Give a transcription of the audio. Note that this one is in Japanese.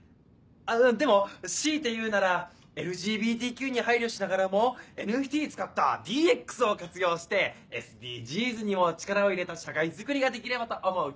でも強いて言うならＬＧＢＴＱに配慮しながらもＮＦＴ使ったＤＸを活用してＳＤＧｓにも力を入れた社会づくりができればと思う